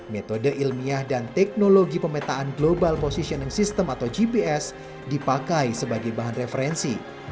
metode ilmiah dan teknologi pemetaan global positioning system atau gps dipakai sebagai bahan referensi